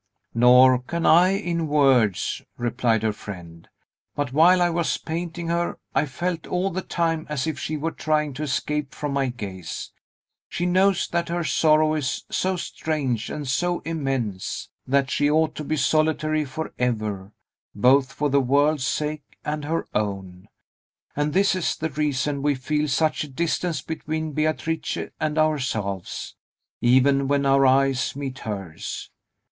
"Nor can I, in words," replied her friend. "But while I was painting her, I felt all the time as if she were trying to escape from my gaze. She knows that her sorrow is so strange and so immense, that she ought to be solitary forever, both for the world's sake and her own; and this is the reason we feel such a distance between Beatrice and ourselves, even when our eyes meet hers.